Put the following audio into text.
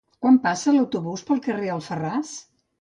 Quan passa l'autobús pel carrer Alfarràs?